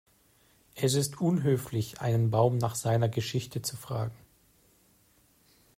Es ist unhöflich, einen Baum nach seiner Geschichte zu fragen.